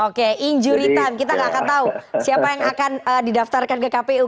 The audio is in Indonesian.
oke injury time kita gak akan tahu siapa yang akan didaftarkan ke kpu